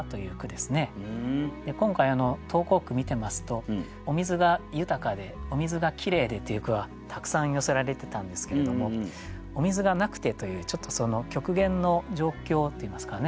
今回投稿句見てますと「お水が豊かで」「お水がきれいで」っていう句はたくさん寄せられてたんですけれども「お水がなくて」というちょっと極限の状況っていいますかね